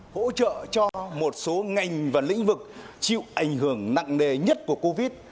hỗ trợ cho một số ngành và lĩnh vực chịu ảnh hưởng nặng nề nhất của covid